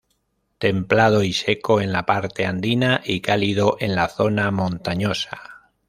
Templado y seco en la parte andina y cálido en la zona montañosa.